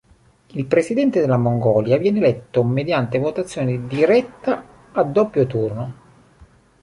Il Presidente della Mongolia, viene eletto mediante votazione diretta a doppio turno.